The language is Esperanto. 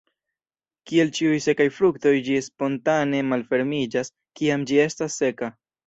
Kiel ĉiuj sekaj fruktoj ĝi spontane malfermiĝas, kiam ĝi estas seka.